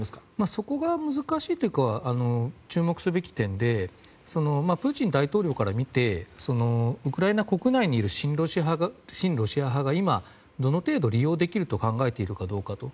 そこが難しいというか注目すべき点でプーチン大統領から見てウクライナ国内にいる親ロシア派が今、どの程度利用できると考えているかどうかと。